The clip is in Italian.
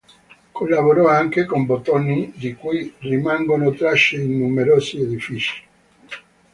Collaborò anche con Bottoni di cui rimangono tracce in numerosi edifici.